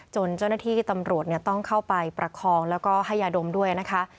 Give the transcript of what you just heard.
เจ้าหน้าที่ตำรวจต้องเข้าไปประคองแล้วก็ให้ยาดมด้วยนะคะ